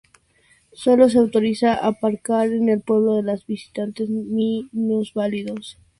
Sólo se autoriza aparcar en el pueblo a los visitantes minusválidos.